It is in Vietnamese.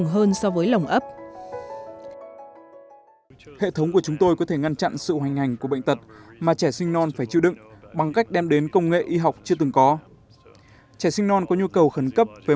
hệ thống mới giúp ngăn chặn nguy cơ này